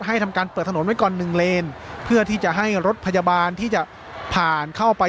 ทำการเปิดถนนไว้ก่อนหนึ่งเลนเพื่อที่จะให้รถพยาบาลที่จะผ่านเข้าไป